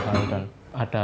dan ada beberapa